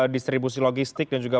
distribusi logistik dan juga